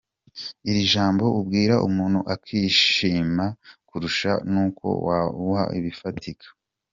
Iri ni ijambo ubwira umuntu akishima kurusha nuko wamuha ibifatika.